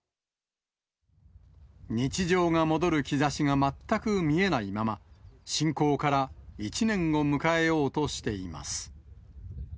日常が戻る兆しが全く見えないまま、侵攻から１年を迎えようとしています。